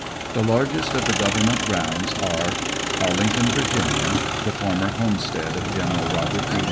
The largest of the Government grounds are: Arl ington, Ya., the former homestead of General Robert E.